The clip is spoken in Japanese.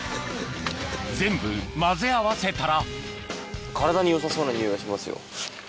全部混ぜ合わせたら体によさそうな匂いがしますよ。